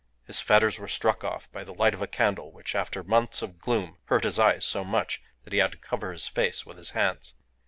His fetters were struck off by the light of a candle, which, after months of gloom, hurt his eyes so much that he had to cover his face with his hands.